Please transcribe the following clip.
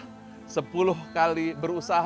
sepuluh kali berpacaran lima kali gagal nikah